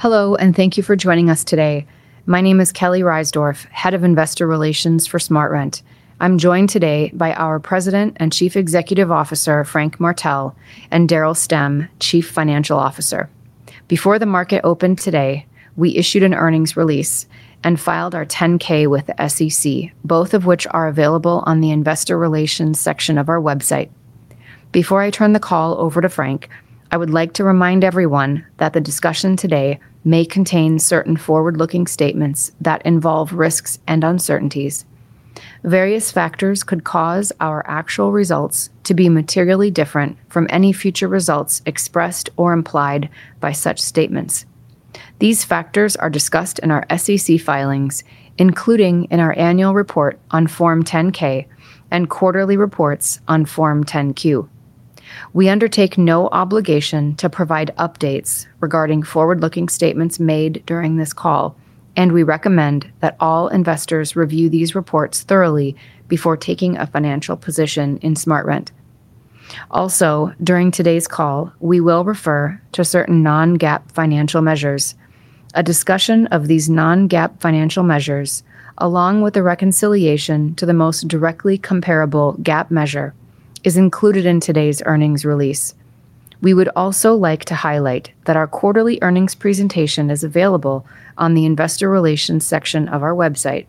Hello, thank you for joining us today. My name is Kelly Reisdorf, Head of Investor Relations for SmartRent. I'm joined today by our President and Chief Executive Officer, Frank Martell, and Daryl Stemm, Chief Financial Officer. Before the market opened today, we issued an earnings release and filed our 10-K with the SEC, both of which are available on the investor relations section of our website. Before I turn the call over to Frank, I would like to remind everyone that the discussion today may contain certain forward-looking statements that involve risks and uncertainties. Various factors could cause our actual results to be materially different from any future results expressed or implied by such statements. These factors are discussed in our SEC filings, including in our annual report on Form 10-K and quarterly reports on Form 10-Q. We undertake no obligation to provide updates regarding forward-looking statements made during this call, and we recommend that all investors review these reports thoroughly before taking a financial position in SmartRent. Also, during today's call, we will refer to certain non-GAAP financial measures. A discussion of these non-GAAP financial measures, along with the reconciliation to the most directly comparable GAAP measure, is included in today's earnings release. We would also like to highlight that our quarterly earnings presentation is available on the investor relations section of our website.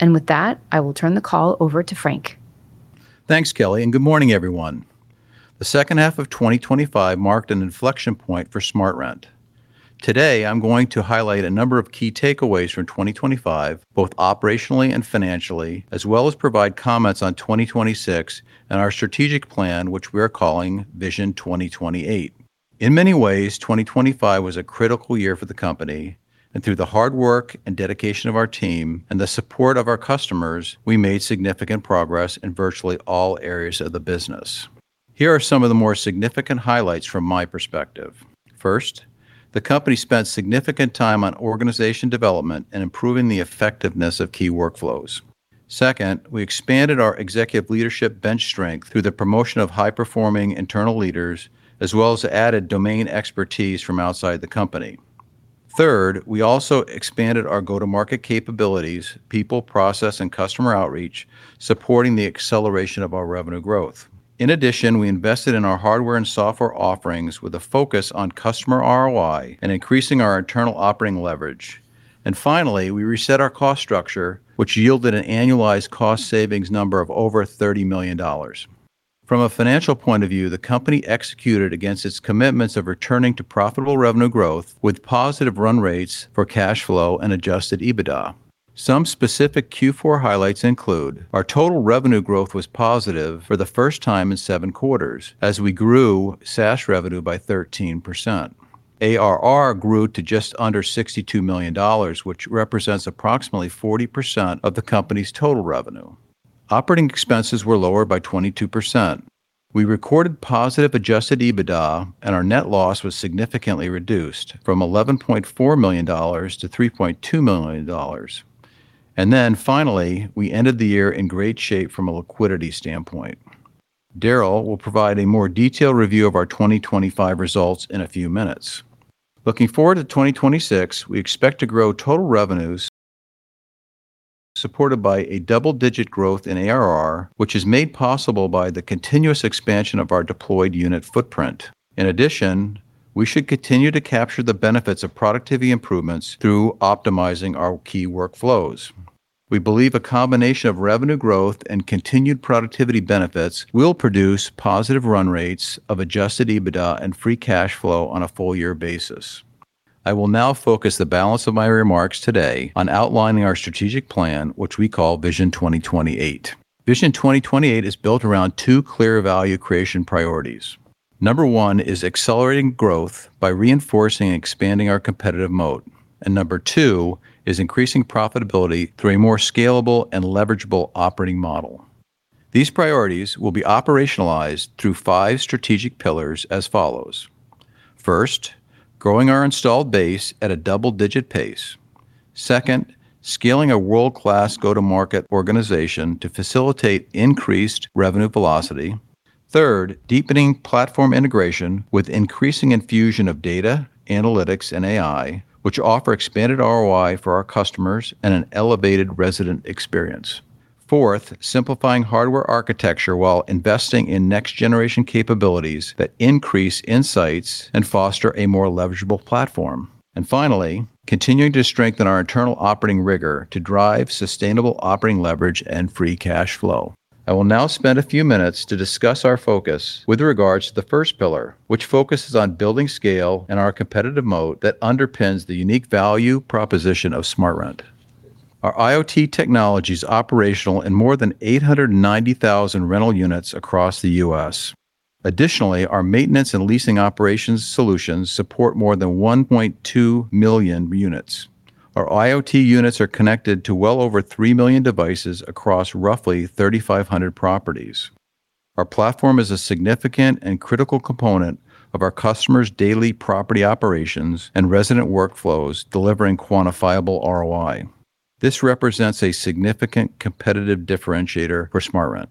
With that, I will turn the call over to Frank. Thanks, Kelly, and good morning, everyone. The second half of 2025 marked an inflection point for SmartRent. Today, I'm going to highlight a number of key takeaways from 2025, both operationally and financially, as well as provide comments on 2026 and our strategic plan, which we are calling Vision 2028. In many ways, 2025 was a critical year for the company, and through the hard work and dedication of our team and the support of our customers, we made significant progress in virtually all areas of the business. Here are some of the more significant highlights from my perspective. First, the company spent significant time on organization development and improving the effectiveness of key workflows. Second, we expanded our executive leadership bench strength through the promotion of high-performing internal leaders as well as added domain expertise from outside the company. Third, we also expanded our go-to-market capabilities, people, process, and customer outreach, supporting the acceleration of our revenue growth. We invested in our hardware and software offerings with a focus on customer ROI and increasing our internal operating leverage. Finally, we reset our cost structure, which yielded an annualized cost savings number of over $30 million. From a financial point of view, the company executed against its commitments of returning to profitable revenue growth with positive run rates for cash flow and Adjusted EBITDA. Some specific Q4 highlights include our total revenue growth was positive for the first time in seven quarters as we grew SaaS revenue by 13%. ARR grew to just under $62 million, which represents approximately 40% of the company's total revenue. Operating expenses were lower by 22%. We recorded positive Adjusted EBITDA, our net loss was significantly reduced from $11.4 million to $3.2 million. We ended the year in great shape from a liquidity standpoint. Daryl will provide a more detailed review of our 2025 results in a few minutes. Looking forward to 2026, we expect to grow total revenues supported by a double-digit growth in ARR, which is made possible by the continuous expansion of our deployed unit footprint. We should continue to capture the benefits of productivity improvements through optimizing our key workflows. We believe a combination of revenue growth and continued productivity benefits will produce positive run rates of Adjusted EBITDA and free cash flow on a full year basis. I will now focus the balance of my remarks today on outlining our strategic plan, which we call Vision 2028. Vision 2028 is built around two clear value creation priorities. Number one is accelerating growth by reinforcing and expanding our competitive moat. Number two is increasing profitability through a more scalable and leverageable operating model. These priorities will be operationalized through five strategic pillars as follows. First, growing our installed base at a double-digit pace. Second, scaling a world-class go-to-market organization to facilitate increased revenue velocity. Third, deepening platform integration with increasing infusion of data, analytics, and AI, which offer expanded ROI for our customers and an elevated resident experience. Fourth, simplifying hardware architecture while investing in next-generation capabilities that increase insights and foster a more leverageable platform. Finally, continuing to strengthen our internal operating rigor to drive sustainable operating leverage and free cash flow. I will now spend a few minutes to discuss our focus with regards to the first pillar, which focuses on building scale and our competitive moat that underpins the unique value proposition of SmartRent. Our IoT technology is operational in more than 890,000 rental units across the U.S. Additionally, our maintenance and leasing operations solutions support more than 1.2 million units. Our IoT units are connected to well over 3 million devices across roughly 3,500 properties. Our platform is a significant and critical component of our customers' daily property operations and resident workflows, delivering quantifiable ROI. This represents a significant competitive differentiator for SmartRent.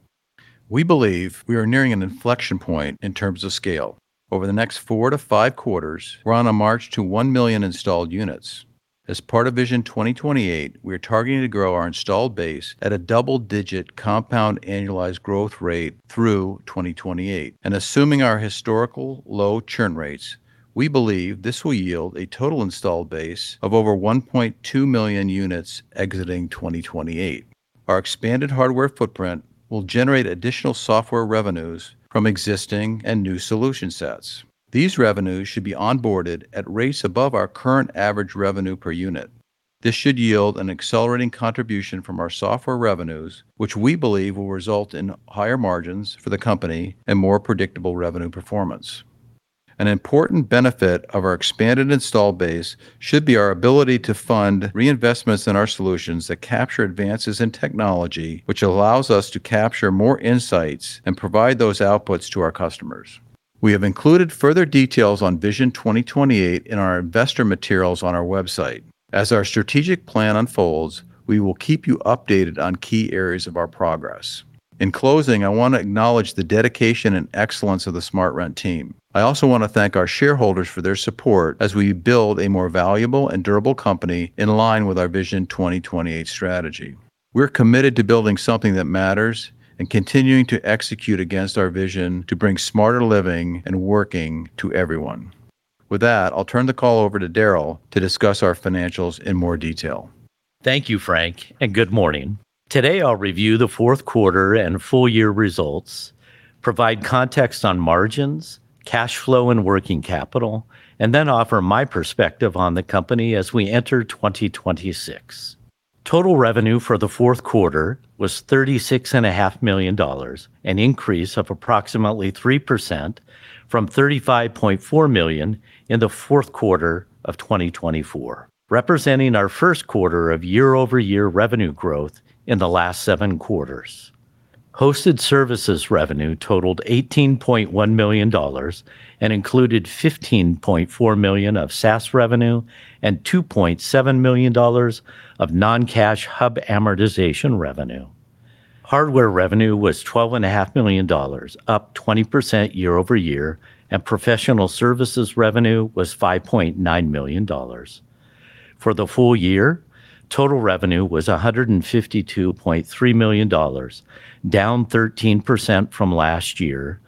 We believe we are nearing an inflection point in terms of scale. Over the next 4-5 quarters, we're on a march to 1 million installed units. As part of Vision 2028, we are targeting to grow our installed base at a double-digit compound annualized growth rate through 2028. Assuming our historical low churn rates, we believe this will yield a total installed base of over 1.2 million units exiting 2028. Our expanded hardware footprint will generate additional software revenues from existing and new solution sets. These revenues should be onboarded at rates above our current average revenue per unit. This should yield an accelerating contribution from our software revenues, which we believe will result in higher margins for the company and more predictable revenue performance. An important benefit of our expanded installed base should be our ability to fund reinvestments in our solutions that capture advances in technology, which allows us to capture more insights and provide those outputs to our customers. We have included further details on Vision 2028 in our investor materials on our website. As our strategic plan unfolds, we will keep you updated on key areas of our progress. In closing, I want to acknowledge the dedication and excellence of the SmartRent team. I also want to thank our shareholders for their support as we build a more valuable and durable company in line with our Vision 2028 strategy. We're committed to building something that matters and continuing to execute against our vision to bring smarter living and working to everyone. With that, I'll turn the call over to Daryl to discuss our financials in more detail. Thank you, Frank. Good morning. Today I'll review the fourth quarter and full year results, provide context on margins, cash flow and working capital, then offer my perspective on the company as we enter 2026. Total revenue for the fourth quarter was thirty-six and a half million dollars, an increase of approximately 3% from $35.4 million in the fourth quarter of 2024, representing our first quarter of year-over-year revenue growth in the last seven quarters. Hosted services revenue totaled $18.1 million, included $15.4 million of SaaS revenue and $2.7 million of non-cash hub amortization revenue. Hardware revenue was twelve and a half million dollars, up 20% year-over-year, professional services revenue was $5.9 million. For the full year, total revenue was $152.3 million, down 13% from last year,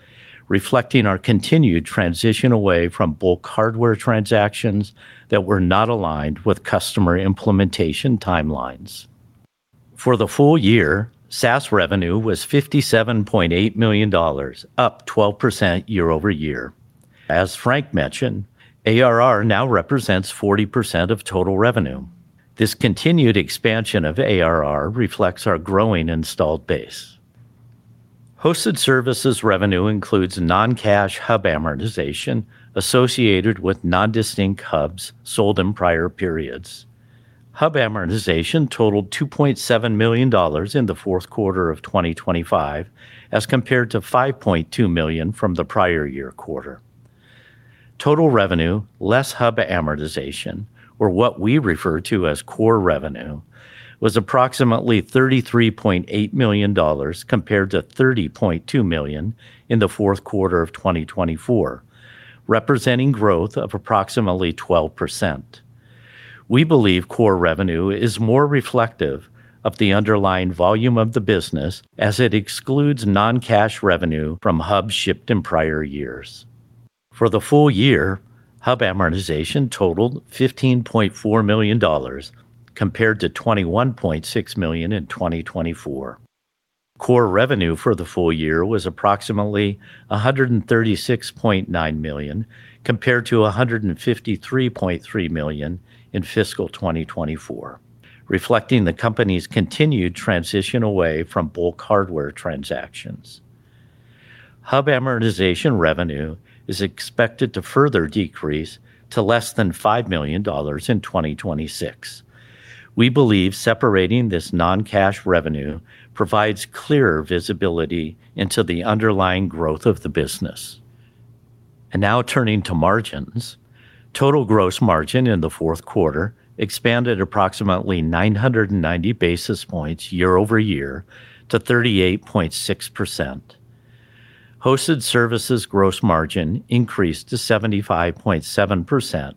reflecting our continued transition away from bulk hardware transactions that were not aligned with customer implementation timelines. For the full year, SaaS revenue was $57.8 million, up 12% year-over-year. As Frank mentioned, ARR now represents 40% of total revenue. This continued expansion of ARR reflects our growing installed base. Hosted services revenue includes non-cash hub amortization associated with non-distinct hubs sold in prior periods. Hub amortization totaled $2.7 million in the fourth quarter of 2025 as compared to $5.2 million from the prior year quarter. Total revenue less hub amortization, or what we refer to as core revenue, was approximately $33.8 million compared to $30.2 million in the fourth quarter of 2024, representing growth of approximately 12%. We believe core revenue is more reflective of the underlying volume of the business as it excludes non-cash revenue from hubs shipped in prior years. For the full year, hub amortization totaled $15.4 million compared to $21.6 million in 2024. Core revenue for the full year was approximately $136.9 million compared to $153.3 million in fiscal 2024, reflecting the company's continued transition away from bulk hardware transactions. Hub amortization revenue is expected to further decrease to less than $5 million in 2026. We believe separating this non-cash revenue provides clearer visibility into the underlying growth of the business. Now turning to margins. Total gross margin in the fourth quarter expanded approximately 990 basis points year-over-year to 38.6%. Hosted services gross margin increased to 75.7%,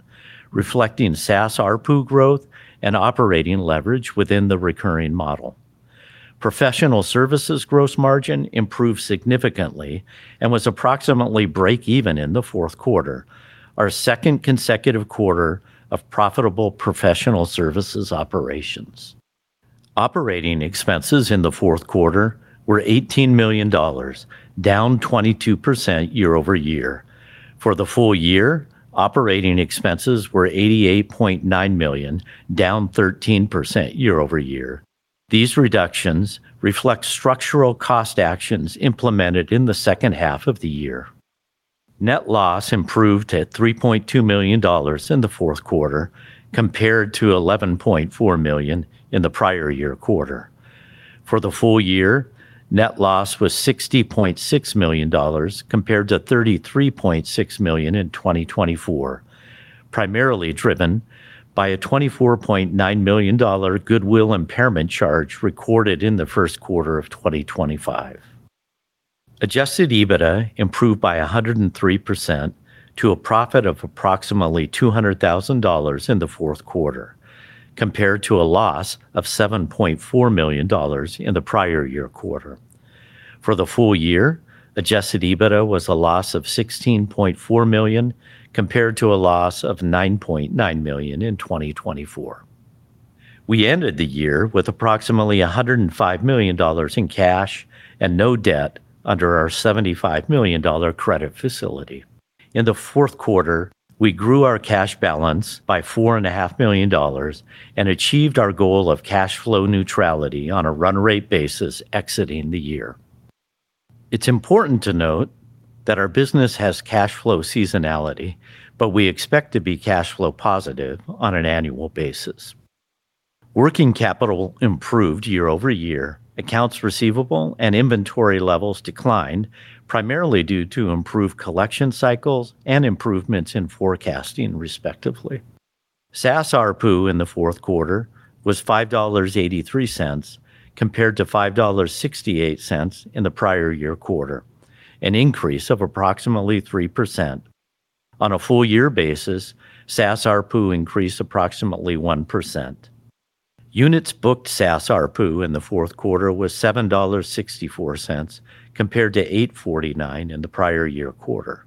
reflecting SaaS ARPU growth and operating leverage within the recurring model. Professional services gross margin improved significantly and was approximately break even in the fourth quarter, our second consecutive quarter of profitable professional services operations. Operating expenses in the fourth quarter were $18 million, down 22% year-over-year. For the full year, operating expenses were $88.9 million, down 13% year-over-year. These reductions reflect structural cost actions implemented in the second half of the year. Net loss improved to $3.2 million in the fourth quarter compared to $11.4 million in the prior year quarter. For the full year, net loss was $60.6 million compared to $33.6 million in 2024, primarily driven by a $24.9 million goodwill impairment charge recorded in the first quarter of 2025. Adjusted EBITDA improved by 103% to a profit of approximately $200,000 in the fourth quarter, compared to a loss of $7.4 million in the prior year quarter. For the full year, Adjusted EBITDA was a loss of $16.4 million compared to a loss of $9.9 million in 2024. We ended the year with approximately $105 million in cash and no debt under our $75 million credit facility. In the fourth quarter, we grew our cash balance by four and a half million dollars and achieved our goal of cash flow neutrality on a run rate basis exiting the year. It's important to note that our business has cash flow seasonality, but we expect to be cash flow positive on an annual basis. Working capital improved year-over-year. Accounts receivable and inventory levels declined, primarily due to improved collection cycles and improvements in forecasting, respectively. SaaS ARPU in the fourth quarter was $5.83, compared to $5.68 in the prior-year quarter, an increase of approximately 3%. On a full year basis, SaaS ARPU increased approximately 1%. Units booked SaaS ARPU in the fourth quarter was $7.64 compared to $8.49 in the prior-year quarter.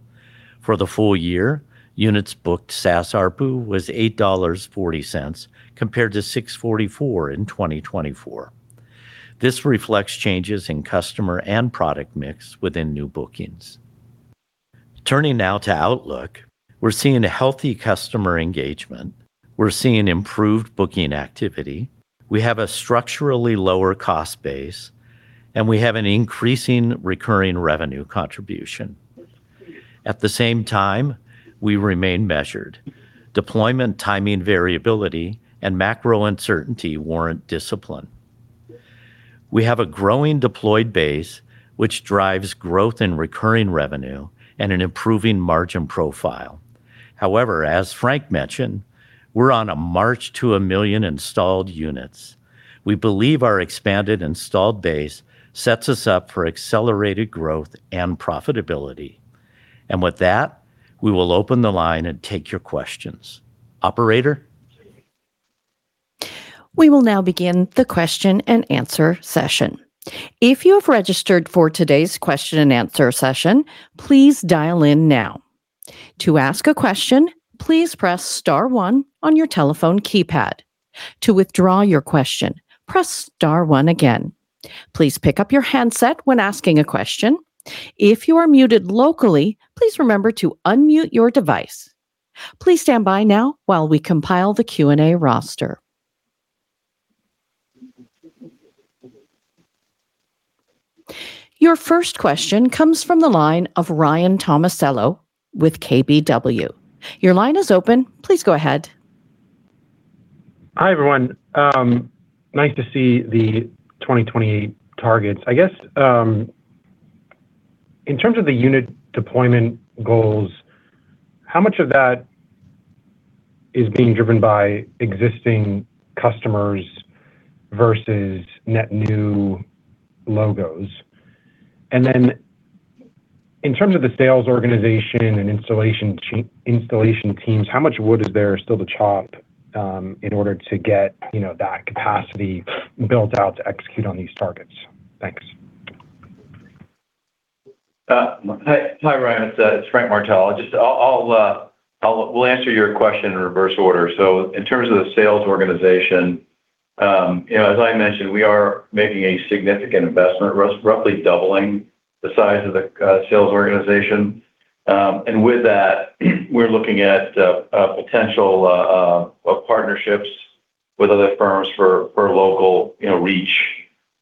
For the full year, Units Booked SaaS ARPU was $8.40 compared to $6.44 in 2024. This reflects changes in customer and product mix within new bookings. Turning now to outlook. We're seeing a healthy customer engagement. We're seeing improved booking activity. We have a structurally lower cost base, and we have an increasing recurring revenue contribution. At the same time, we remain measured. Deployment timing variability and macro uncertainty warrant discipline. We have a growing deployed base which drives growth in recurring revenue and an improving margin profile. However, as Frank Martell mentioned, we're on a march to 1 million installed units. We believe our expanded installed base sets us up for accelerated growth and profitability. With that, we will open the line and take your questions. Operator. We will now begin the question-and-answer session. If you have registered for today's question-and-answer session, please dial in now. To ask a question, please press star one on your telephone keypad. To withdraw your question, press star one again. Please pick up your handset when asking a question. If you are muted locally, please remember to unmute your device. Please stand by now while we compile the Q&A roster. Your first question comes from the line of Ryan Tomasello with KBW. Your line is open. Please go ahead. Hi, everyone. Nice to see the 2028 targets. I guess, in terms of the unit deployment goals, how much of that is being driven by existing customers versus net new logos? Then in terms of the sales organization and installation teams, how much wood is there still to chop, in order to get, you know, that capacity built out to execute on these targets? Thanks. Hi, Ryan, it's Frank Martell. We'll answer your question in reverse order. In terms of the sales organization, you know, as I mentioned, we are making a significant investment, roughly doubling the size of the sales organization. With that, we're looking at a potential partnerships with other firms for local, you know, reach.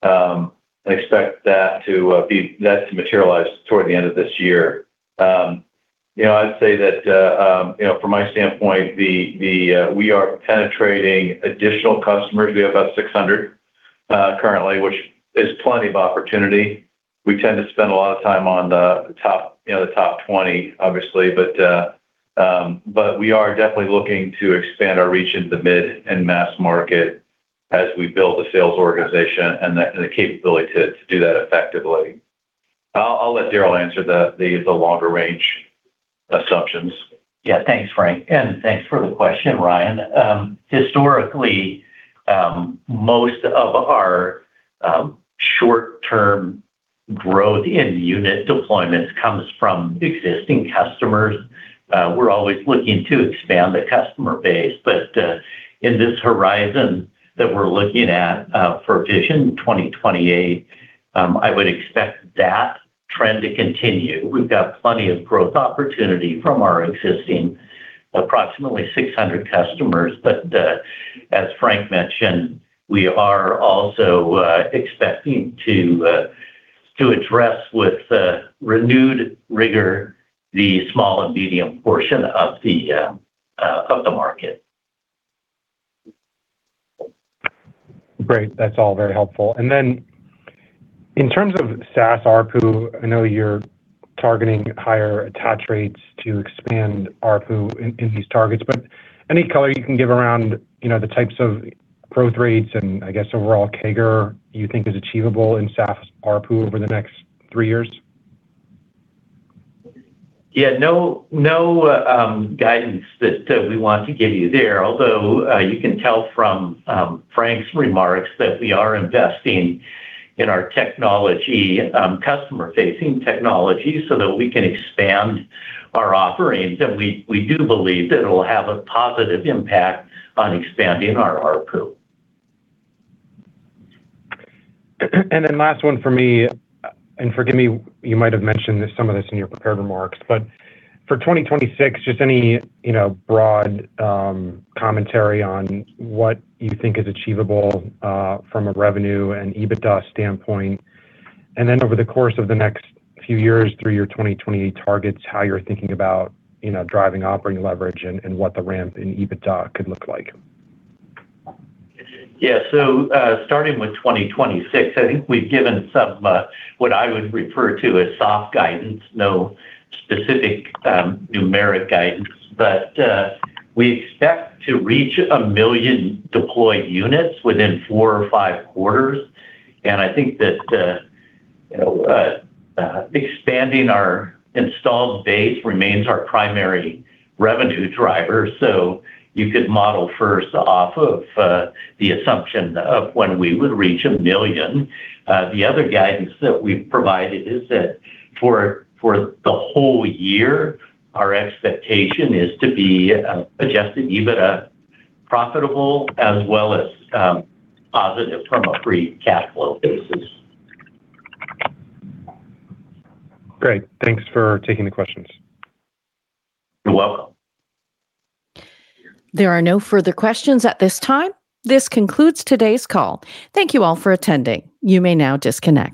I expect that to materialize toward the end of this year. You know, I'd say that, you know, from my standpoint, we are penetrating additional customers. We have about 600 currently, which is plenty of opportunity. We tend to spend a lot of time on the top, you know, the top 20, obviously. We are definitely looking to expand our reach into the mid and mass market as we build the sales organization and the capability to do that effectively. I'll let Daryl answer the longer-range assumptions. Yeah. Thanks, Frank, and thanks for the question, Ryan. Historically, most of our short-term growth in unit deployments comes from existing customers. We're always looking to expand the customer base, but in this horizon that we're looking at, for Vision 2028, I would expect that trend to continue. We've got plenty of growth opportunity from our existing approximately 600 customers, but as Frank mentioned, we are also expecting to address with renewed rigor the small and medium portion of the market. Great. That's all very helpful. In terms of SaaS ARPU, I know you're targeting higher attach rates to expand ARPU in these targets, but any color you can give around, you know, the types of growth rates, and I guess overall CAGR you think is achievable in SaaS ARPU over the next three years? Yeah, no, guidance that we want to give you there. Although, you can tell from Frank's remarks that we are investing in our technology, customer-facing technology so that we can expand our offerings, and we do believe that it'll have a positive impact on expanding our ARPU. Last one for me, and forgive me, you might have mentioned some of this in your prepared remarks. For 2026, just any, you know, broad commentary on what you think is achievable from a revenue and EBITDA standpoint. Over the course of the next few years through your 2028 targets, how you're thinking about, you know, driving operating leverage and what the ramp in EBITDA could look like. Starting with 2026, I think we've given some what I would refer to as soft guidance. No specific numeric guidance, but we expect to reach 1 million deployed units within four or five quarters. I think that, you know, expanding our installed base remains our primary revenue driver, so you could model first off of the assumption of when we would reach 1 million. The other guidance that we've provided is that for the whole year, our expectation is to be Adjusted EBITDA profitable as well as positive from a free cash flow basis. Great. Thanks for taking the questions. You're welcome. There are no further questions at this time. This concludes today's call. Thank you all for attending. You may now disconnect.